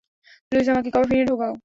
Luis, আমাকে কফিনে ঢোকাও।